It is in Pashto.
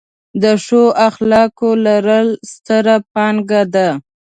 د ښو اخلاقو لرل، ستره پانګه ده.